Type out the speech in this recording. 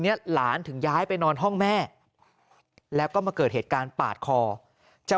หลานถึงย้ายไปนอนห้องแม่แล้วก็มาเกิดเหตุการณ์ปาดคอจะ